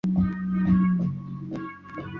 watu wengi sana walikuwa wanaishi na virusi vya ukimwi